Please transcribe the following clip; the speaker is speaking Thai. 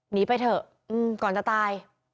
หนีไปเถอะก่อนจะตาย